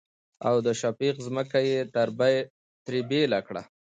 او د شفيق ځمکه يې ترې بيله کړه.